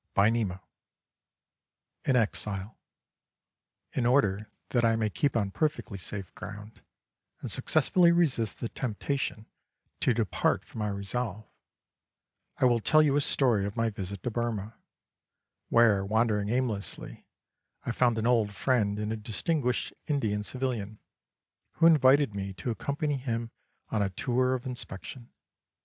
XXXIII IN EXILE In order that I may keep on perfectly safe ground, and successfully resist the temptation to depart from my resolve, I will tell you a story of my visit to Burmah, where, wandering aimlessly, I found an old friend in a distinguished Indian civilian, who invited me to accompany him on a tour of inspection.